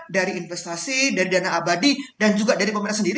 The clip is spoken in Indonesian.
dari investasi dari dana abadi dan juga dari pemerintah sendiri